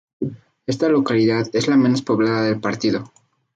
Esta localidad es la menos poblada del partido.